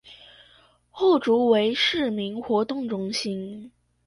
後竹圍市民活動中心